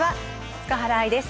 塚原愛です。